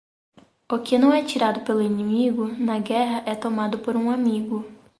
O que não é tirado pelo inimigo na guerra é tomado por um amigo.